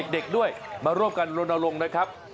เด็กด้วยมาร่วมกันลนลงนะครับ